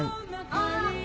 ・あっ。